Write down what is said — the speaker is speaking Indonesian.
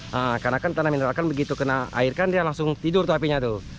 nah karena kan tanah mineral kan begitu kena air kan dia langsung tidur tuh apinya tuh